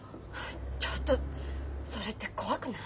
ちょっとそれって怖くない？